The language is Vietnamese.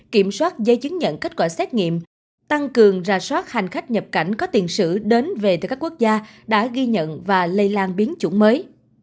kiểm soát giấy chứng nhận kết quả xét nghiệm tăng cường ra soát hành khách nhập cảnh có tiền sử đến về từ các quốc gia đã ghi nhận và lây lan biến chủng mới